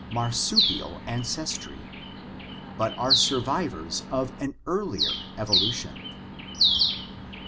marsupial, ancestry, but are survivors of an earlier evolution.